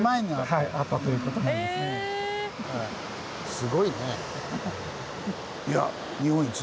すごいね。